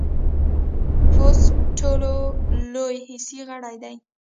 پوست ټولو لوی حسي غړی دی.